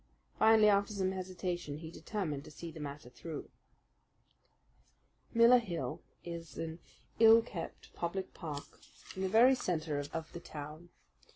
Finally, after some hesitation, he determined to see the matter through. Miller Hill is an ill kept public park in the very centre of the town.